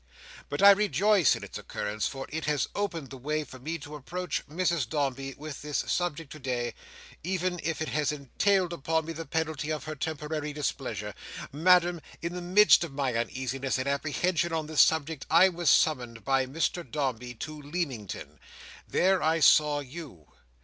But I rejoice in its occurrence, for it has opened the way for me to approach Mrs Dombey with this subject today, even if it has entailed upon me the penalty of her temporary displeasure. Madam, in the midst of my uneasiness and apprehension on this subject, I was summoned by Mr Dombey to Leamington. There I saw you.